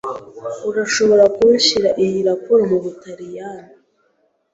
Urashobora kunshyira iyi raporo mubutaliyani?